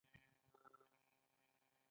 دوی فلسفي حل لارې ته مخه کړه.